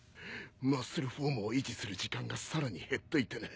マッスルフォームを維持する時間がさらに減っていてね。